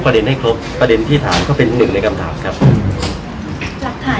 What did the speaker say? พี่แจงในประเด็นที่เกี่ยวข้องกับความผิดที่ถูกเกาหา